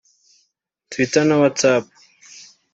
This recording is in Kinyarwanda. Twitter na Whatsapp